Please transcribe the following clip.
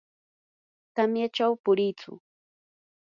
tamyachaw puriitsu.